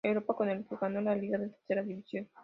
Europa, con el que ganó una liga de tercera división.